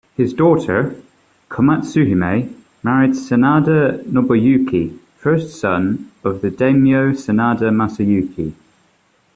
His daughter, Komatsuhime, married Sanada Nobuyuki, first son of the daimyo Sanada Masayuki.